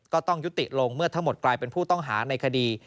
ก็ต้องยุติลงเมื่อทั้งหมดกลายเป็นผู้ต้องหาในคดี